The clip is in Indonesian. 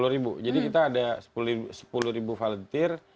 sepuluh ribu jadi kita ada sepuluh ribu volunteer